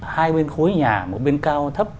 hai bên khối nhà một bên cao thấp